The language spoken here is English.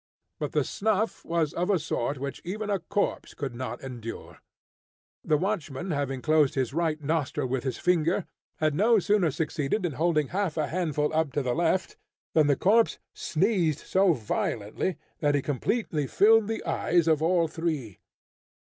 But the snuff was of a sort which even a corpse could not endure. The watchman having closed his right nostril with his finger, had no sooner succeeded in holding half a handful up to the left, than the corpse sneezed so violently that he completely filled the eyes of all three.